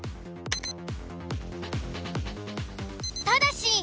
ただし。